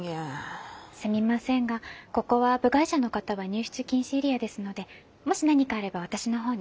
すみませんがここは部外者の方は入室禁止エリアですのでもし何かあれば私のほうに。